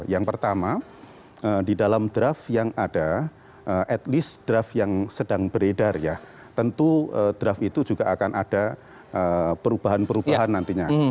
yang pertama di dalam draft yang ada at least draft yang sedang beredar ya tentu draft itu juga akan ada perubahan perubahan nantinya